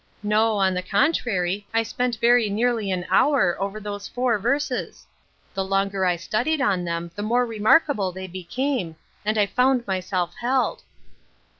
" No, on the contrary, I spent very nearly an hour over those four verses ; the longer I studied on them the more remarkable they became, and I found mysell held."